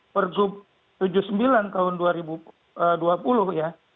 pergub tujuh puluh sembilan tahun dua ribu dua puluh ya